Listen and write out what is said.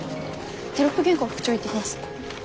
テロップ原稿副調行ってきます。